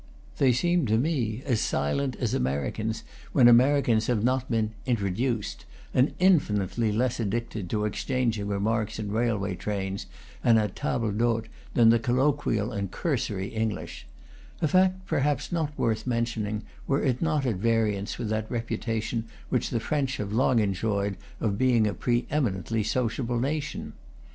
They seemed to me as silent as Americans when Americans have not been "introduced," and infinitely less addicted to ex changing remarks in railway trains and at tables d'hote the colloquial and cursory English; a fact per haps not worth mentioning were it not at variance with that reputation which the French have long en joyed of being a pre eminently sociable nation.